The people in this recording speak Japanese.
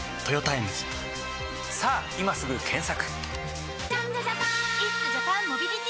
さぁ今すぐ検索！